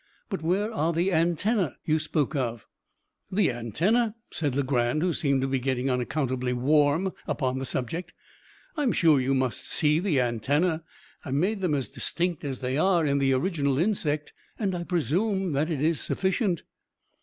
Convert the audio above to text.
But where are the antennae you spoke of?" "The antennae!" said Legrand, who seemed to be getting unaccountably warm upon the subject; "I am sure you must see the antennae. I made them as distinct as they are in the original insect, and I presume that is sufficient."